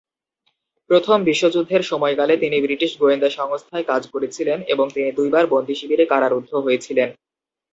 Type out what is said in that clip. প্রথম বিশ্বযুদ্ধের সময়কালে তিনি ব্রিটিশ গোয়েন্দা সংস্থায় কাজ করেছিলেন এবং তিনি দুইবার বন্দি-শিবিরে কারারুদ্ধ হয়েছিলেন।